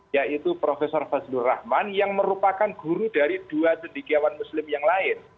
yaitu profesor fazlur rahman yang merupakan guru dari dua cendikiawan muslim yang lain